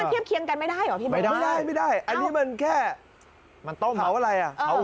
แต่จริงมันไม่ใช่ทำแบบนี้